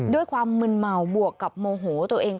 ด้วยความมึนเมาบวกกับโมโหตัวเอง